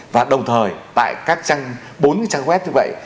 và đồng thời tại các trang bốn trang web như vậy